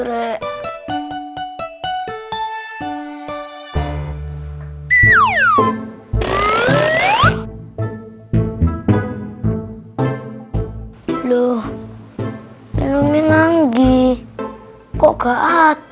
masya allah betul betul yang ketat